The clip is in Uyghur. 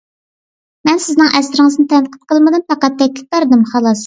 مەن سىزنىڭ ئەسىرىڭىزنى تەنقىد قىلمىدىم، پەقەت تەكلىپ بەردىم، خالاس.